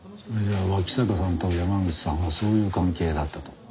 じゃあ脇坂さんと山口さんはそういう関係だったと？